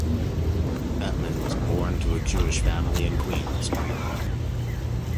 Bettman was born to a Jewish family in Queens, New York.